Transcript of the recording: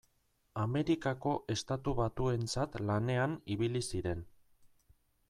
Amerikako Estatu Batuentzat lanean ibili ziren.